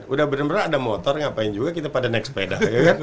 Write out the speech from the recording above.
udah bener bener ada motor ngapain juga kita pada naik sepeda